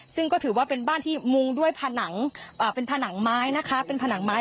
ซึ่งก็ถือว่าเป็นบ้านที่มุงด้วยผนังเป็นผนังไม้นะคะเป็นผนังไม้